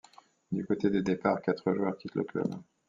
Du côté des départs, quatre joueurs quittent le club.